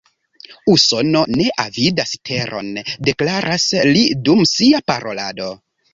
Usono ne avidas teron, deklaras li dum sia parolado.